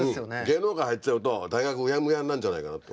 芸能界入っちゃうと大学うやむやになるんじゃないかなって。